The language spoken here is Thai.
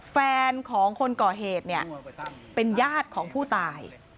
แฟนของคนก่อเหตุเนี่ยเป็นญาติของผู้ตาย